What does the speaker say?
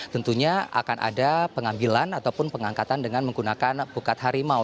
tentunya akan ada pengambilan ataupun pengangkatan dengan menggunakan pukat harimau